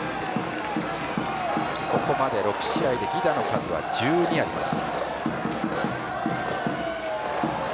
ここまで６試合で犠打の数は１２安打です。